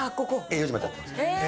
４時までやってます。